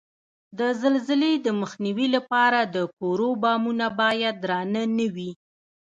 د زلزلې د مخنیوي لپاره د کورو بامونه باید درانه نه وي؟